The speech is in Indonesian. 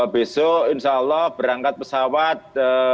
besok insyaallah berangkat pesawat